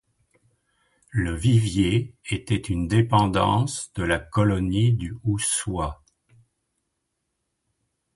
Le Vivier était une dépendance de la colonie du Houssoye.